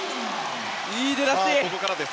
いい出だし！